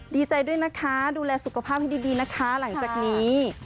ดีใจด้วยนะคะดูแลสุขภาพให้ดีนะคะหลังจากนี้